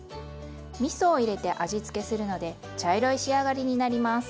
みそを入れて味付けするので茶色い仕上がりになります。